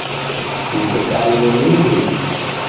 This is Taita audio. Msekalilo ni mndungi